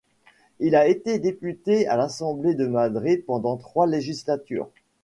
Il a été député à l'Assemblée de Madrid pendant trois législatures.